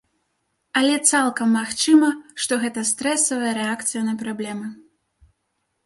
Але цалкам магчыма, што гэта стрэсавая рэакцыя на праблемы.